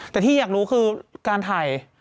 แต่ที่อยากรู้คือการถ่าย